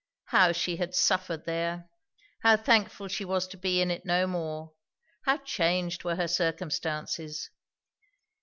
How she had suffered there! how thankful she was to be in it no more! how changed were her circumstances!